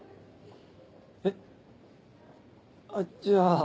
えっ？あっじゃあ。